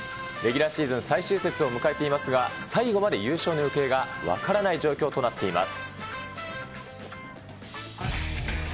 レギュラーシーズン最終節を迎えていますが、最後まで優勝の行方が分からない状況となっています。